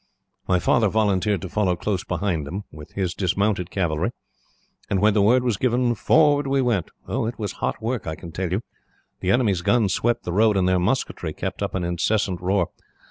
"My father volunteered to follow close behind them, with his dismounted cavalry, and, when the word was given, forward we went. It was hot work, I can tell you. The enemy's guns swept the road, and their musketry kept up an incessant roar.